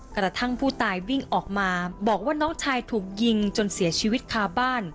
กระทั่งผู้ตายวิ่งออกมาบอกว่าน้องชายถูกยิงจนเสียชีวิตคาบ้าน